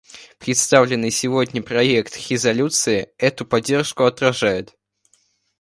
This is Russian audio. Представленный сегодня проект резолюции эту поддержку отражает.